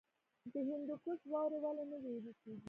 د هندوکش واورې ولې نه ویلی کیږي؟